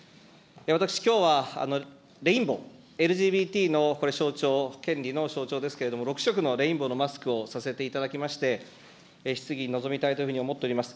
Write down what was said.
私、きょうはレインボー、ＬＧＢＴのこれ、象徴、権利の象徴ですけれども、６色のレインボーのマスクをさせていただきまして、質疑に臨みたいというふうに思っております。